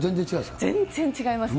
全然違いますね。